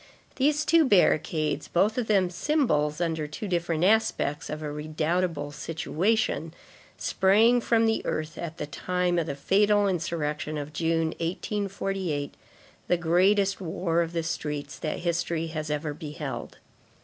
These two barricades, both of them symbols, under two different aspects, of a redoubtable situation, sprang from the earth at the time of the fatal insurrection of June, 1848, the greatest war of the streets that history has ever beheld.